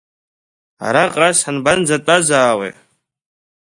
Араҟа ас ҳанбанӡатәазаауеи?